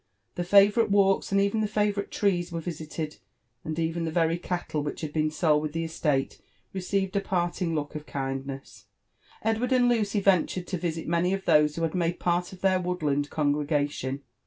Tlie favourite walks. %nd even the favourite trees, were visited ; and even the very cattle which had been sold with the estate received a ^parting look ol Ifjodness. Edward and Lucy ventured to visit many of those who had made part of their woodland congregation.